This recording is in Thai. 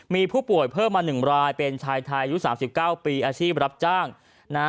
มีผู้ป่วยเพิ่มมา๑รายเป็นชายไทยอายุ๓๙ปีอาชีพรับจ้างนะฮะ